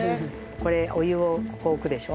これお湯をここ置くでしょ。